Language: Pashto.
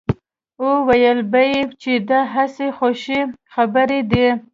او ويل به يې چې دا هسې خوشې خبرې دي.